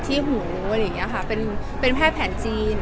ที่หูเป็นแพทย์แผนจีน